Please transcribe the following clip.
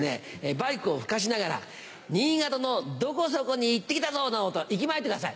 バイクを吹かしながら「新潟のどこそこに行って来たぞ」などと息巻いてください。